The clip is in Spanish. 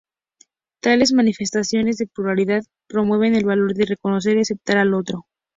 Tales manifestaciones de pluralidad promueven el valor de reconocer y aceptar al otro.